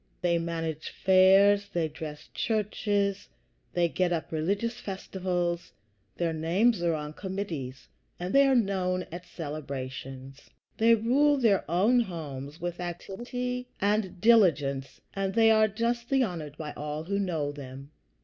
They manage fairs, they dress churches, they get up religious festivals, their names are on committees, they are known at celebrations. They rule their own homes with activity and diligence, and they are justly honored by all who know them.